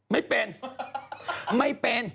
ไม่เป็นไม่เป็น